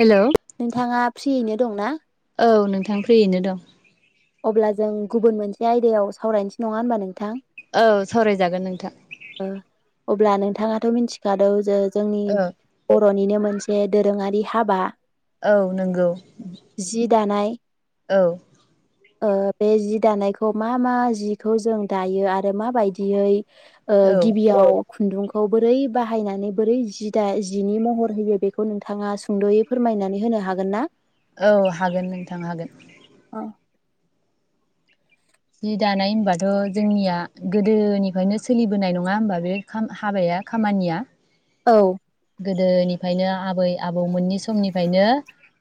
Hello औ नोंथाङा फ्रियैनो दंना? [unintelligible] फ्रियैनो दं। अब्ला जों गुबुन मोनसे आयदायाव सावरायनोसै नङा होनबा नोंथां? औ सावरायजागोन नोंथां। अब्ला नोंथाङाथ मिथिखादौ जे जोंनि औ [unintelligible] बर'निनो मोनसे दोरोङारि हाबा। औ नंगौ। जि दानाय औ ओ बे जि दानायखौ मा मा जिखौ जों दायो आरो माबायदियै ओ औ गिबियाव खुन्दुंखौ बोरै बाहायनानै बोरै जि दा जिनि महर होयो बेखौ नोंथाङा सुंदयै फोरमायनानै होनो हागोन ना? औ हागोन नोंथां हागोन। औ जि दानाय होनबाथ जोंनिया गोदोनिफ्रायनो सोलिबोनाय नङा होमबा बे खाम हाबाया खामानिया? औ गोदोनिफ्रायनो आबै आबौ मोननि समनिफ्रायनो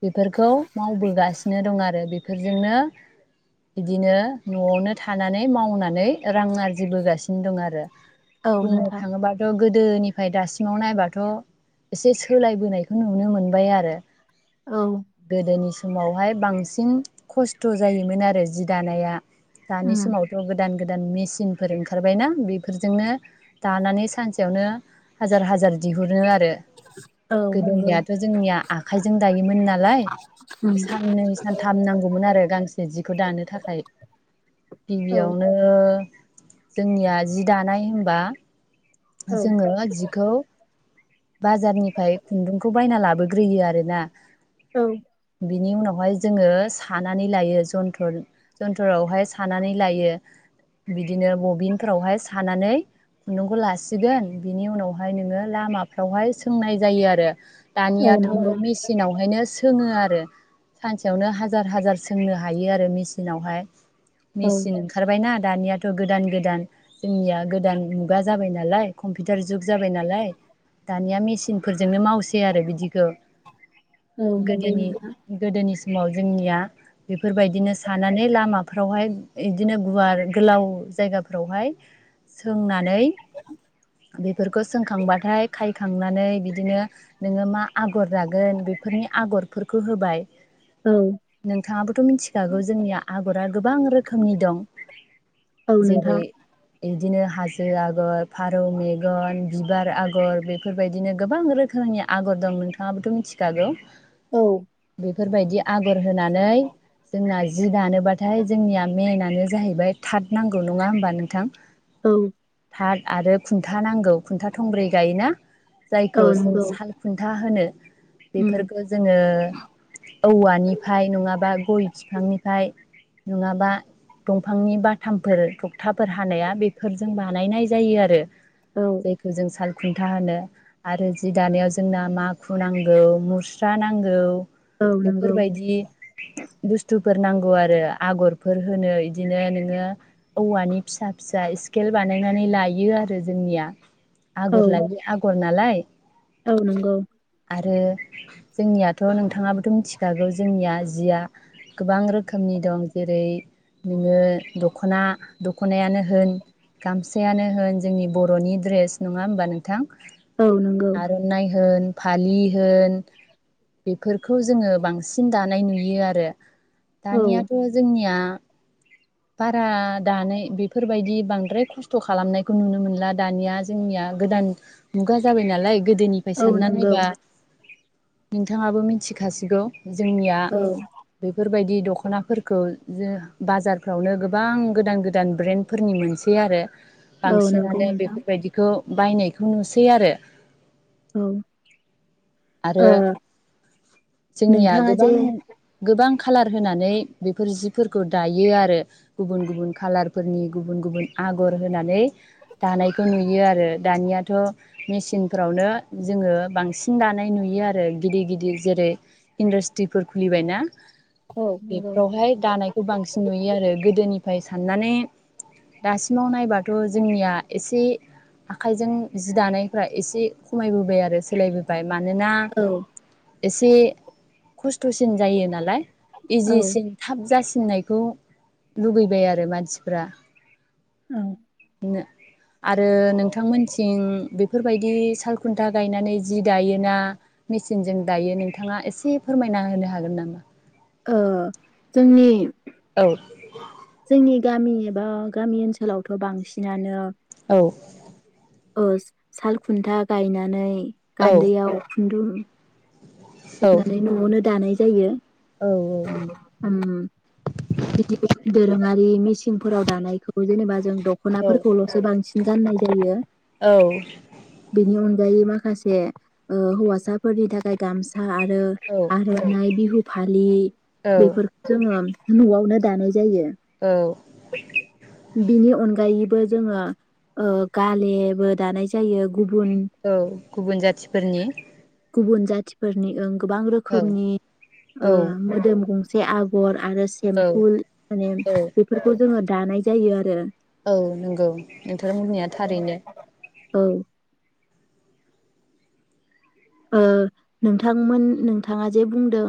बेफोरखौ मावबोगासिनो दं आ रो बेफोरजोंनो बिदिनो नआवनो थानानै मावनानै रां आरजिबोगासिनो दं आरो। औ बुंनो नोंथां थाङोबाथ गोदोनिफ्राय दासिमाव नायबाथ एसे सोलायबोनायखौ नुनो मोनबाय आरो। औ गोदोनि समावहाय बांसिन खस्थ जायोमोन आरो जि दानाया। दानि उम समावथ गोदान गोदान मेचिनफोर ओंखारबायना बेफोरजोंनो दानानै सानसेयावनो हाजार हाजार दिहुनो आ रो औ नंगौ गोदोनियाथ जोंनिया आखाइजों दायोमोन नालाय उम साननै सानथाम नांगौमोन आरो गांसे जिखौ दानो थाखाय औ गिबियावनो जोंनिया जि दानाय होनबा औ जोङो जिखौ बाजारनिफ्राय खुन्दुंखौ बायना लाबोग्रोयो आरोना औ बिनि उनावहाय जोङो सानानै लायो जन्थ जन्थरावहाय सानानै लायो बिदिनो बबिनफ्रावहाय सानानै खुन्दुंखौ ला सिगोन बिनि उनावहाय नोङो लामाफ्रावहाय सोंनाय जायो आरो। औ दानियाथ' नंगौ मेसिनावहायनो सो सोङो आरो सानसेयावनो हाजार हाजार सोंनो हायो आरो मेसिनावहाय। औ मेसिन ओंखारबायना दानियाथ' गोदान गोदान जोंनिया गोदान मुगा जाबायना नालाय कम्पिउटार जुग जाबाय नालाय दानिया मेसिनफोरजोंनो मावसै आरो बिदिखौ। औ नंगौ गोदोनि नोंथां गोदोनि समाव जोंनिया बेफोरबायदिनो सानानै लामाफ्रावहाय इदिनो गुवार गोलाव जायगाफ्रावहाय सोंनानै बेफोरखौ सोंखांबाथाय खाय खांनानै बिदिनो नोङो मा आगर जागोन बेफोरनि आगरफोरखौ होबाय। औ नोंथाङाबोथ' मिथिखागौ जोंनिया आगरा गोबां रोखोमनि दं। औ नोंथां जेरै बिदिनो हाजो आगर फारौ मेगन, बिबार आगर बेफोरबायदिनो गोबां रोखोमनि आगर दं नोंथाङाबोथ' मिथिखागौ। औ। बेफोरबायदि आगर होनानै जोंना जि दानोबाथाय जोंनिया मेइनानो जाहैबाय थाट नांगौ नङा होमबा नोंथां? औ। टाद आरो खुन्था नांगौ खुन्था थंब्रै गायोना औ जायखौ जों नंगौ साल खुन्था होनो उम बेफोरखौ जोङो औवानिफ्राय नङाबा गय बिफांनिफ्राय नङाबा दंफांनि बाथामफोर थखथाफोर हानाया बेफोरजों बानाय जायो आरो औ जायखौ जों साल खुन्था होनो आरो जि दानायाव जोंना माखु नांगौ मुस्रा नांगौ। औ नंगौ बेफोरबायदि बुस्थुफोर नांगौ आरो आगर फोर होनो इदिनो नोङो औवानि फिसा फिसा इस्केल बानायना लायो आरो जोंनिया औ आगर लायै आगर नालाय औ नंगौ। आरो जोंनियाथ' नोंथाङाबोथ' मिथिखागौ जोंनिया जिया गोबां रोखोमनि दं। जेरै नोङो दख'ना दख'नायानो होन गामसा मसायानो होन जोंनि बर'नि ड्रेस नङा होमबा नोंथां? औ नंगौ आर'नाय होन फालि होन बेफोरखौ जोङो बांसिन दानाय नुयो आरो। औ दानियाथ' जोंनिया बारा दानै बेफोरबायदि बांद्राय खस्थ स्थ खालामनायखौ नुनो मोनला दानिया जोंनिया गोदान मुगा जाबाय नालाय गोदोनिफ्राय औ सानना नंगौ नायबा नोंथाङाबो मिथिखासिगौ जोंनिया औ बेफोर बायदि दखनाफोरखौ जों बाजारफ्रावनो गोबां गोदान गोदान ब्रेन्डफोरनि मोनसै आरो औ नंगौ बांसिनानो नोंथां बेफोरबायदिखौ बायनायखौ नुसै आरो औ आरो ओ जोंनिया नोंथाङा जे गोबां गोबां खालार होनानै बेफोर जिफोरखौ दायो आरो गुबुन गुबुन कालार फोरनि गुबुन गुबुन आगर होनानै दानायखौ नुयो आर आरो दानियाथ मेसिनफ्रावनो जोङो बांसिन दानाय नुयो आरो गिदिर गिदिर जेरै इन्दास्ट्रिफोर खुलिबायना? औ नंगौ बेफोरावहाय दानायखौ बांसिन नुयो आरो गोदोनि फाय साननानै दासि सिमाव नायबाथ जोंनिया एसे आखाइजों जि दानायफ्रा एसे खमायबोबाय आरो सोलायबोबाय। मानोना औ एसे खस्थसिन जायो नालाय। औ इजिसिन थाब जासि फिनायखौ लुबैबाय आरो मानसिफ्रा औ नो आरो नोंथांमोनथिं बेफोरबायदि सालखुन्था गायनानै जि दायोना मेचिनजों दायो नोंथाङा एसे फोरमायना होनो हागोन नामा? ओ जोंनि औ जोंनि गामि एबा गामि ओनसोलावथ बांसिनानो औ ओस साल खुन्था गायनानै औ गान्दैयाव खुन्दुं [unintelligible] नानै नआवनो दानाय जायो। औ नंगौ उम बिदि दोरोङारि मेसिंफोराव दानायखौ जेनेबा जों औ दखनाफोरखौलसो बांसिन गाननाय जायो। औ गायै माखासे ओ हौवासाफोरनि थाखाय गामस सा आरो औ आरनाइ बिहु फालि औ बेफोर जोङो नआवनो दानाय जायो औ बिनि अन गायैबो जोङो ओ गालेबो दानाय जायो गुबुन औ गुबुन जाथिफोरनि गुबुन जाथिफोरनि ओं गोबां औ रोखोमनि औ ओ मोदोम गं जे आगर आरो औ सेम्फुल माने बेफोरखौ जोङो दानाय जायो आरो औ नंगौ नोंथांर बुंनाया थारैनो औ ओ नोंथांमोन नोंथाङा जे बुं दों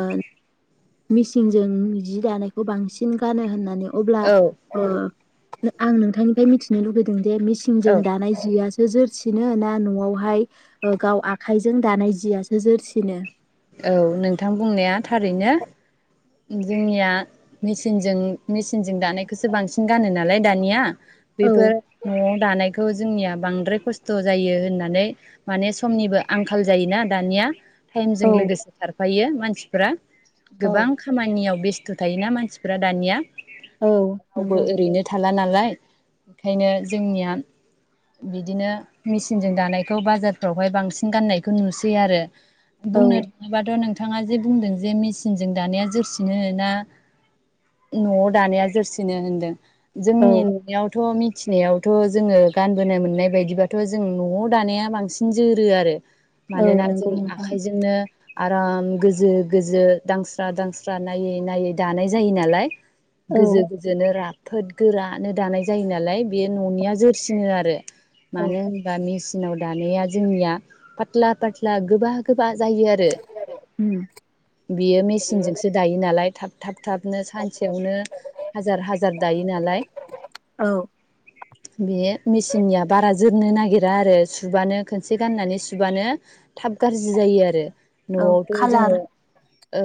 ओ मिसिनजों जि दानायखौ बांसिन गानो होननानै अब्ला औ ओ आं नोंथांनिफ्राय मिथिनो लुबैदों बे मेसिनजों औ दानाय जिया जोरसिनो ना नआवहाय गाव आखाइजों दानाय जियासो जोरसिनो औ नोंथां बुंनाया थारैनो जोंनिया मेसिनजों मेसिनजों दानायखौसो बांसिन गानो नालाय दानिया औ बेफोर नआव दानाय बेखौ जोंनिया बांद्राय खस्थ जायो होननानै माने समनिबो आंखाल जायोना दानिया टाइमजों औ लोगोसे खारफायो मानसिफ्रा औ गोबां खामानियाव बेस्थ थायोना मानसिफोरा दानिया औ रावबो नंगौ ओरैनो थाला नाला नालाय ओंखायनो जोंनिया बिदिनो मेसिनजों दानायखौ बाजारफ्रावहाय बांसिन गाननायखौ नुसै आरो औ बुंनो थाङोबाथ नोंथां बिथाङा जे बुंदों जे मेसिनजों दानाया जोरसिनो ना नआव दानाया जोरसिनो होनदों जोंनि औ ननियाव थ मिथिनायावथ जोङो गानबोनो मोननाय बायदिबाथ जों नआव दानाया बांसिन जोरो आरो औ मानोना जों नंगौ नोंथां आखाइजोंनो आराम गोजो गोजो दांस्रा दांस्रा नायै नायै दानाय जायो नालाय। औ गोजो गोजोनो रा फोद गोरानो दानाय जायो नालाय बे ननिया जोरसिनो आरो। औ मानो होनबा मेसि नाव दानाया जोंनिया फाटला फाटला गोबा गोबा बा जायो आरो उम बियो मेसिनजों नालाय थाब थाब थाबनो सानसेयावनो हाजार हाजार दायो नालाय औ बियो मेसिननिया बारा जोरनो नागिरा आरो सुबानो खोनसे गाननानै सुबानो थाब गाज्रि जायो आरो औ नआवथ जोङो खालार औ।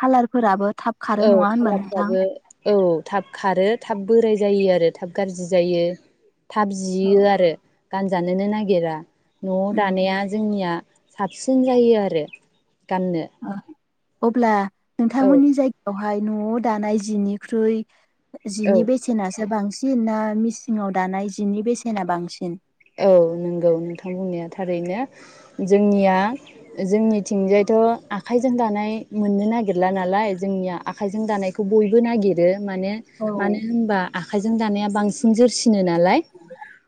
खालारफोराबो थाब खारो औ नङा होनबा नोंथां। खालारफ्राबो औ थाब खारो थाब बोराइ जायो आरो थाब गाज्रि जायो। थाब औ जियो आरो। गानजानो नो नागिरा। नआव उम दानाया जोंनिया साबसिन जायो आरो। गाननो औ अब्ला औ नोंथांमोननि जाय बेवहाय नआव दानाय जिनिख्रुइ औ जिनि बेसेना बांसिन ना मिसिनाव दानाय जिनि बेसेना बांसिन? औ नोंगौ नोंथां बुंनाया थारैनो जोंनिया जोंनिथिंजायथ आखाइजों दानाय मोननो नागिरला नालाय जोंनिया आखाइजों दानायखौ बयबो नागिरो माने औ मानो होनबा आखायजों दानाया बांसिन जोरसिनो ना नालाय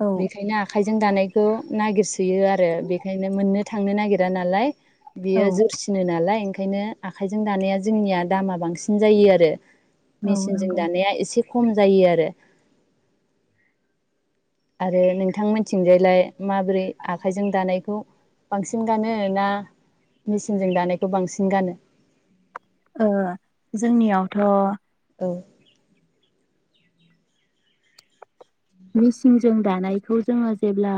औ बेखायनो जों दानायखौ नायगिरसोयो आरो बेखायनो। मोननो थांनो नागिरा नालाय। औ बियो जोरसिनो नालाय ओंखायनो आखाइजों दानाया जोंनिया दामा बांसिन जायो आरो। औ मेसिनजों नंगौ दानाया एसे खम जायो आरो। आरो नोंथां मोनथिंजायलाय माबोरै आखायजों दानायखौ बांसिन गानो ना मेचिनजों दानायखौ बांसिन गानो? ओ जोंनियावथ औ मेसिनजों दानायखौ जोङो जेब्ला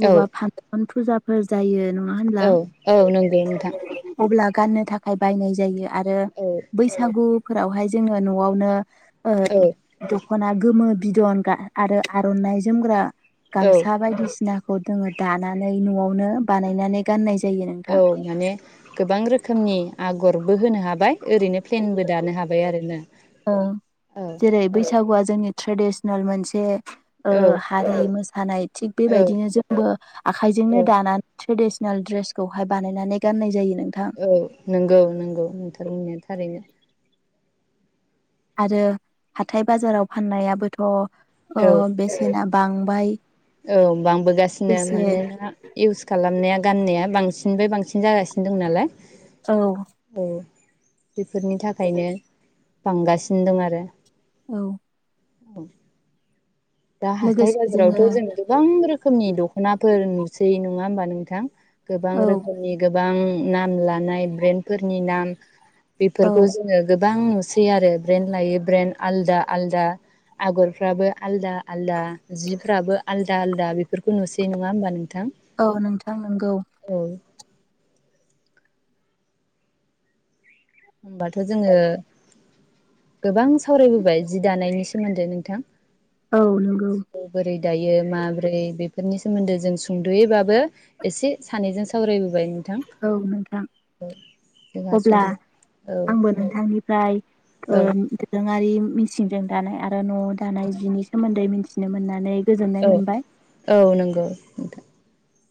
अबबा औ फानसन फुजाफोर जायो होनब्ला औ औ नंगौ नोंथां अब्ला गाननो थाखाय बायनाय जायो आरो औ बैसागु फोरावहाय जोङो नआवनो ओ औ दख'ना गोमो बिदनगा आरो आरनाइ जोमग्रा औ गामसा बायदिसिना जोङो दानानै नआवनो बानायनानै गाननाय जायो औ नोंथां माने गोबां रोखोमनि आग गरबो होनो हाबाय ओरैनो प्लेनबो दानो हाबाय आरोना ओ ओ जेरै बैसागुआ जोंनि ट्रेडिसनेल मोनसे ओ हारि मोसा हानाय थिग औ बेबायदिनो जोंबो औ आखाइजोंनो दानानै ट्रेडिसन नाल ड्रेसखौहाय बानायनानै गाननाय जायोनो औ नंगौ नंगौ नोंथां होननाया थारैनो आरो हाथाय बाजाराव फाननायाबोथ' ओ औ बेसेना बांबाय औ बांबोगासिनो लोगोसे मानोना इउस खालामनाया गाननाया बांसिननिफ्राय बांसिन जागासिनो दं नालाय। औ औ बेफोरनि थाखायनो बांगासिनो दं आरो औ औ दा हाथाय लोगोसे जोङो बाजारावथ जों गोबां रोखोमनि दखनाफोर नुसै नङा होमबा नों थां गोबां औ रोखोमनि गोबां नाम लानाय ब्रेन्डफोरनि नाम औ बेफोरखौ जोङो गोबां नुसै आरो ब्रेन्ड लायै ब्रेन्ड आलदा आलदा आगरफ्राबो आलदा आलदा जिफ्राबो आलदा आलदा बेफोरखौ नुसै नङा होमबा नोंथां औ नोंथां नंगौ औ होमबाथ जोङो गोबां सावरायबोबाय जि दानायनि सो खोनादो नोंथां औ नंगौ जिखौ बोरै दायो माबोरै बेफोरनि सो सोमोन्दो जों सुंदयैबाबो एसे सानैजों सावरायबोबाय नो औ नोंथां जोंहा अब्ला समबो औ आंबो नोंथांनि जाय [inaudible] ओ औ [inaudible] ङारि मिसिनजों दानाय आरो न दानाय जिनि सोमोन्दै मिथिनो मोननानै गोजोननाय औ मोनबाय। [inaudible] नोंथां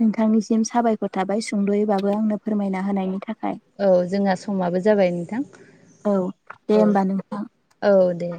नोंथांनिसिम साबायखर थाबाय सुंद यैबाबो आंनो फोरमायना होनायनि था औ जोंना समाबो जाबाय नोंथां औ दे ओ होमबा नोंथां औ दे